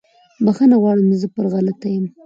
بخښنه غواړم زه پر غلطه یم